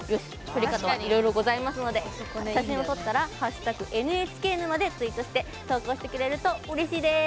撮り方はいろいろございますので写真を撮ったら「＃ＮＨＫ沼」でツイートして投稿してくれるとうれしいです！